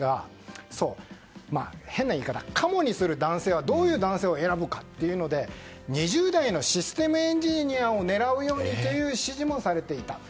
変な言い方、カモにする男性はどういう男性を選ぶかというので２０代のシステムエンジニアを狙うようにという指示もされてた。